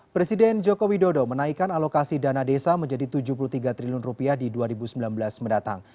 presiden joko widodo menaikkan alokasi dana desa menjadi rp tujuh puluh tiga triliun di dua ribu sembilan belas mendatang